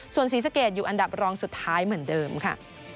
ส่วนศรีสะเกดอยู่อันดับรองสุดท้ายเหมือนเดิมค่ะ